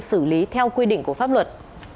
xử lý theo quy định của pháp luật